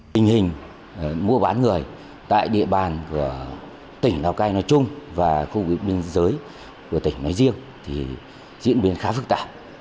tình hình mua bán người tại địa bàn của tỉnh lào cai nói chung và khu vực biên giới của tỉnh nói riêng thì diễn biến khá phức tạp